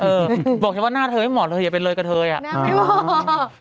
เออบอกฉันว่าหน้าเธอไม่เหมาะเธออย่าเป็นเลยกับเธอย่างนี้